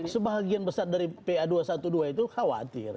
sebagian besar dari pa dua ratus dua belas itu khawatir